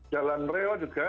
jalan reo juga